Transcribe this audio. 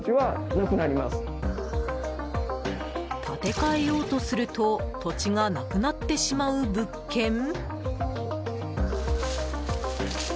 建て替えようとすると土地がなくなってしまう物件？